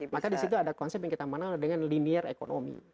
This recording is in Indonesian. maka disitu ada konsep yang kita menanggung dengan linear economy